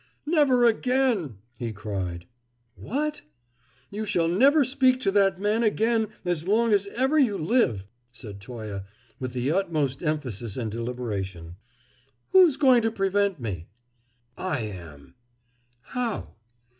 "Never again!" he cried. "What?" "You shall never speak to that man again, as long as ever you live," said Toye, with the utmost emphasis and deliberation. "Who's going to prevent me?" "I am." "How?"